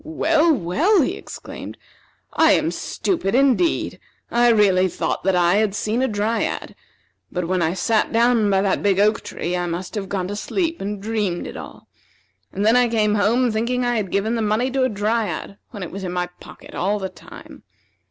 "Well, well!" he exclaimed, "I am stupid, indeed! I really thought that I had seen a Dryad; but when I sat down by that big oak tree I must have gone to sleep and dreamed it all; and then I came home thinking I had given the money to a Dryad, when it was in my pocket all the time.